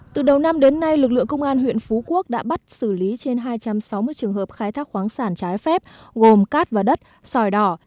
từ đầu năm đến nay lực lượng công an huyện phú quốc đã bắt xử lý trên hai trăm sáu mươi trường hợp khai thác khoáng sản trái phép gồm cát và đất sòi đỏ